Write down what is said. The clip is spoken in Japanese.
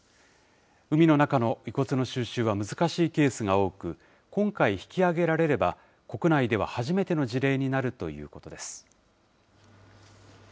海の中の遺骨の収集は難しいケースが多く、今回、引き揚げられれば、国内では初めての事例になるということです。